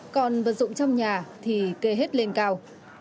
còn vật dụng trong nhà thì kê hết lên cao